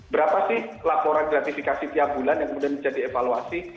berapa sih laporan gratifikasi tiap bulan yang kemudian menjadi evaluasi